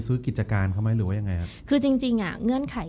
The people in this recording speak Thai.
ซื้อกิจการเขาไม่รู้ว่ายังไงคือจริงอ่ะเงื่อนไข